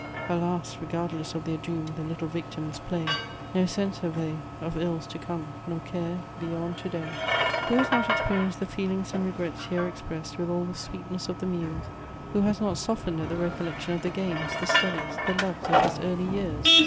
Alas! regardless of their doom The little victims play! No sense have they of ills to come, Nor care beyond to day. Who has not experienced the feelings and regrets here expressed with all the sweetness of the muse? Who has not softened at the recollection of the games, the studies, the loves of his early years?